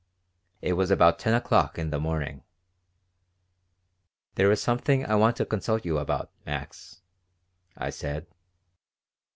It was about 10 o'clock in the morning "There is something I want to consult you about, Max," I said.